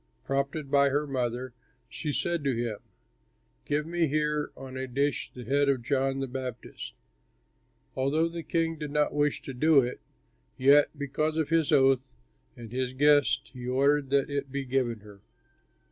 Prompted by her mother, she said to him, "Give me here on a dish the head of John the Baptist." Although the king did not wish to do it, yet because of his oath and his guests he ordered that it be given her.